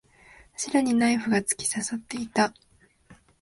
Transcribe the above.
柱にナイフが突き刺さっていた。